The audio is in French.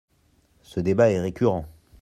Ce débat est récurrent.